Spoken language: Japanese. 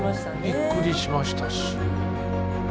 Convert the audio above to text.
びっくりしましたし。